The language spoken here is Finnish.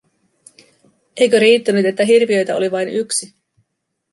Eikö riittänyt, että hirviöitä oli vain yksi?